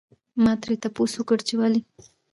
ما ترې تپوس وکړو چې ولې؟